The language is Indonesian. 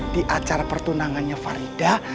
di acara pertunangannya faridah